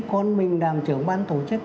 con mình làm trưởng bán tổ chức